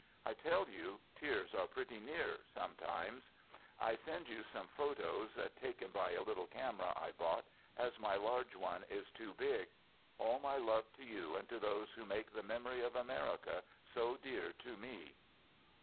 I tell you tears are pretty near sometimes. I send you some photos taken by a little camera I bought, as my large one is too big. All my love to you and to those who make the memory of America so dear to me.